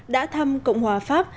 đã thăm cộng hòa pháp